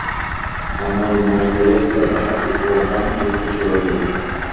অমল মনে করিয়াছিল, তাহার বউঠান খুবখুশি হইবে।